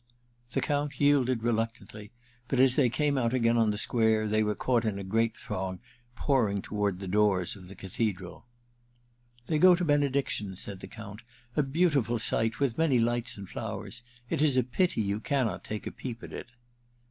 The Count yielded reluc tantly ; but as they came out again on the square they were caught in a great throng pouring toward the doors of the cathedral. *They go to Benediction,' said the Count. * A beautiful sight, with many lights and flowers. It is a pity you cannot take a peep at it.'